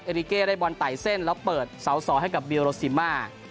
ริเก้ได้บอลไต่เส้นแล้วเปิดเสาสอให้กับบิลโรซิมา